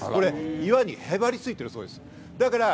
岩にへばりついているそうです。